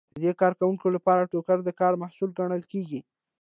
د دې کارکوونکو لپاره ټوکر د کار محصول ګڼل کیږي.